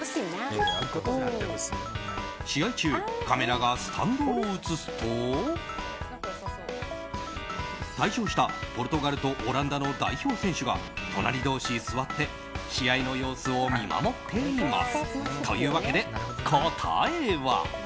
試合中カメラがスタンドを映すと退場したポルトガルとオランダの代表選手が隣同士座って試合の様子を見守っています。